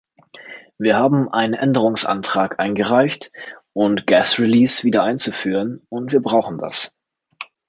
Wir haben einen Änderungsantrag eingereicht, um Gas Release wiedereinzuführen, und wir brauchen das.